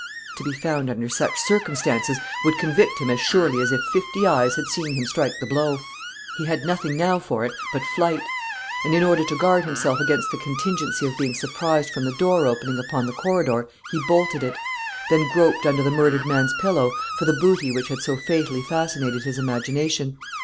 To be found under such circumstances, would convict him as surely as if fifty eyes had seen him strike the blow. He had nothing now for it but flight; and in order to guard himself against the contingency of being surprised from the door opening upon the corridor, he bolted it; then groped under the murdered man's pillow for the booty which had so fatally fascinated his imagination.